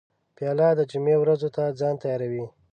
پیاله د جمعې ورځو ته ځان تیاروي.